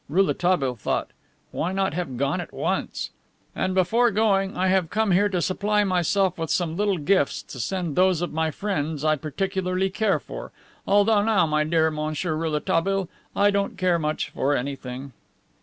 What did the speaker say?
(Rouletabille thought: 'Why not have gone at once?') "And before going, I have come here to supply myself with some little gifts to send those of my friends I particularly care for, although now, my dear Monsieur Rouletabille, I don't care much for anything."